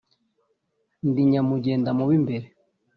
ndi nyamugenda mu b'imbere